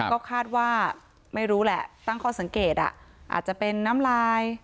ก็คาดว่าไม่รู้แหละตั้งข้อสังเกตอาจจะเป็นน้ำลาย